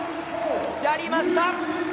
やりました！